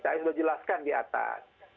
saya sudah jelaskan di atas